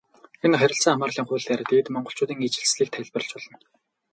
Энэ харилцаа хамаарлын хуулиар Дээд Монголчуудын ижилслийг тайлбарлаж болно.